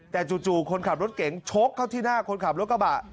แต่จู่คนขับรถเก๋งชกเข้าที่หน้าคนขับรถกระบะ